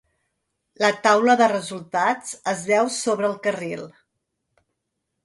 La taula de resultats es veu sobre el carril.